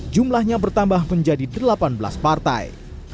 jumlahnya bertambah menjadi delapan belas partai